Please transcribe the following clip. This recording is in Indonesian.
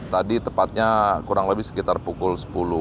tadi tepatnya kurang lebih sekitar pukul sepuluh empat puluh lima